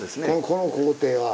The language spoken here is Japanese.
この工程は。